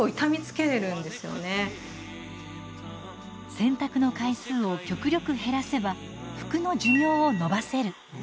洗濯の回数を極力減らせば服の寿命を延ばせる。